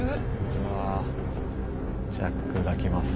うわあジャックが来ます。